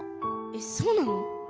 えっそうなの？